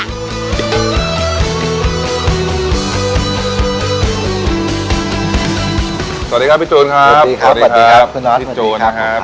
สวัสดีครับพี่จูนครับสวัสดีครับคุณน็อตสวัสดีครับ